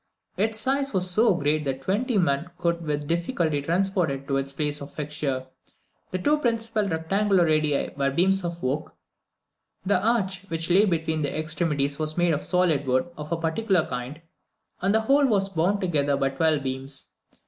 Its size was so great that twenty men could with difficulty transport it to its place of fixture. The two principal rectangular radii were beams of oak; the arch which lay between their extremities was made of solid wood of a particular kind, and the whole was bound together by twelve beams.